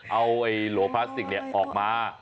เอาโหวโหวพลาสติกเนี่ยออกมา